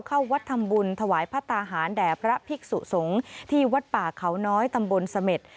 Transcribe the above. เข้าวัดทำบุญถวายพระตาหารแด่พระภิกษุสงฆ์ที่วัดป่าเขาน้อยตำบลเสม็ด